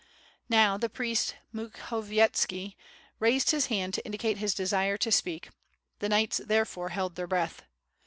Now the priest Mukhovietski raised his hand to indicate his desire to speak, the knights therefore held their breath.